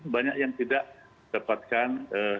banyak yang tidak dapatkan